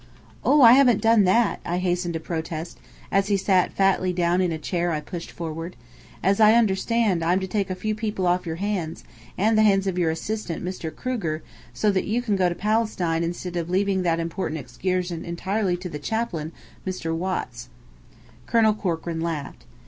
"Oh, I haven't done that!" I hastened to protest, as he sat fatly down in a chair I pushed forward. "As I understand, I'm to take a few people off your hands, and the hands of your assistant, Mr. Kruger, so that you can go to Palestine instead of leaving that important excursion entirely to the chaplain, Mr. Watts." Colonel Corkran laughed.